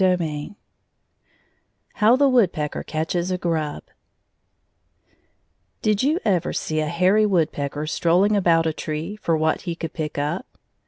II HOW THE WOODPECKER CATCHES A GRUB Did you ever see a hairy woodpecker strolling about a tree for what he could pick up?